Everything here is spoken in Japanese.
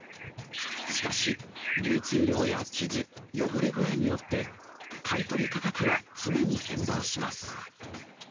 しかし、流通量や傷、汚れ具合によって、買い取り価格は常に変動します。